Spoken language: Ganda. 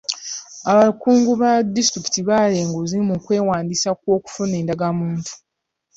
Abakungu ba disitulikit baalya enguzi mu kwewandiisa kw'okufuna endagamuntu.